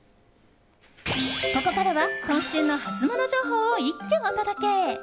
ここからは今週のハツモノ情報を一挙お届け。